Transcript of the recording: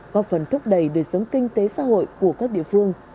có phần thúc đẩy đời sống kinh tế xã hội của các địa phương